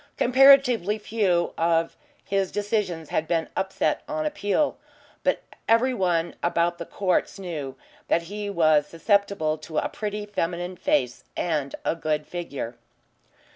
Comparatively few of his decisions had been upset on appeal. But every one about the courts knew that he was susceptible to a pretty feminine face and a good figure.